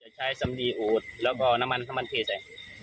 จะใช้สำดีอูดแล้วพอน้ำมันข้ามันเพลย์ใส่